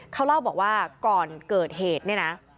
เขาเล่าบอกว่าก่อนเกิดเหตุเนี่ยนะ